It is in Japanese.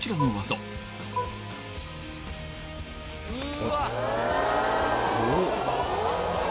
うわっ！